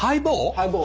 ハイボー？